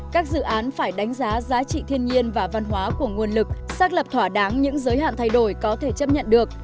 các dự án phải đánh giá giá trị thiên nhiên và văn hóa của nguồn lực xác lập thỏa đáng những giới hạn thay đổi có thể chấp nhận được